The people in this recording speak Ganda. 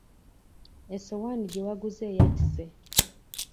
Essowaani gye waguze eyatise.